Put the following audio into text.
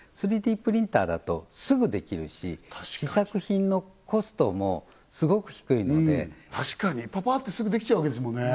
３Ｄプリンターだとすぐできるし試作品のコストもすごく低いので確かにパパッてすぐできちゃうわけですもんね